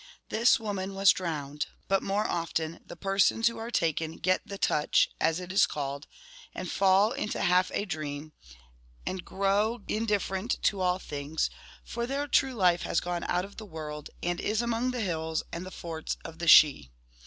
* This woman was drowned; but more often the persons who are taken * get the touch, ' as it is called, and fall into a half dream, and grow 79 indifferent to all things, for their true life has gone out of the world, and is among the hills and the forts of the Sidhe.